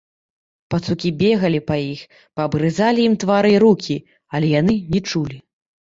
Пацукі бегалі па іх, паабгрызалі ім твары і рукі, але яны не чулі.